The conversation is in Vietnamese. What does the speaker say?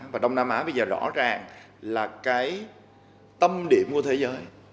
và đông nam á bây giờ rõ ràng là cái tâm điểm của thế giới